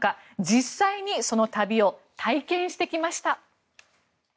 実際にその旅を体験してきました。